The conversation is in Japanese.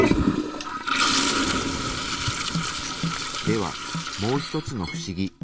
ではもう一つのフシギ。